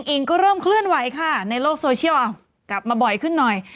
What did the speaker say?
อิงก็เริ่มเคลื่อนไหวค่ะในโลกโซเชียลกลับมาบ่อยขึ้นหน่อย